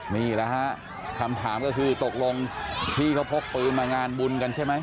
นี่แหละฮะคำถามก็คือตกลงพี่เขาพกปืนมางานบุญกันใช่ไหม